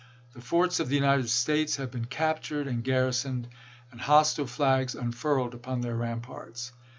The forts of the United States have been captured and garrisoned, and hostile flags unfurled upon their ramparts.